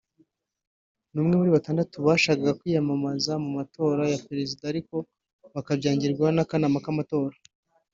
ni umwe muri batandatu bashakaga kwiyamamaza mu matora ya perezida ariko bakabyangirwa n’akanama k’amatora